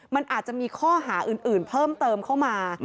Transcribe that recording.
มันอาจจะมีข้อหาอื่นเพิ่มเติมเข้ามา